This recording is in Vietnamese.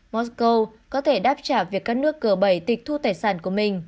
moscow có thể đáp trả việc các nước cờ bẩy tịch thu tài sản của mình